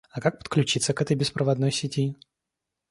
А как подключиться к этой беспроводной сети?